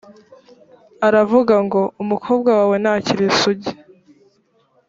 aravuga ngo ’umukobwa wawe ntakiri isugi!